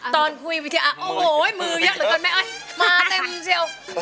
ตอนคุยวิทยาโอ้โหยมือยักษ์เหรอกับแม่มาเต็มมือเชียว